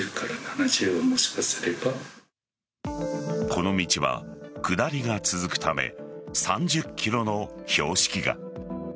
この道は下りが続くため３０キロの標識が。